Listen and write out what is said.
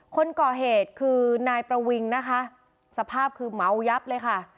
คนก่อเหตุคือนายประวิงนะคะสภาพคือเมายับเลยค่ะ